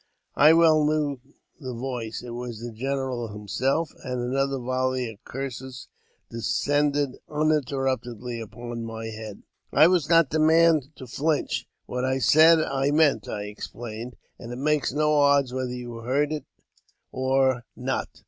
I well knew the voice : it was the general himself ; and another volley of curses descended uninterruptedly upon my head. JAMES P. BECKWOUBTH. 59 I was not the man to flinch. *' What I said I meant," I exclaimed, '' and it makes no odds whether you heard it or not."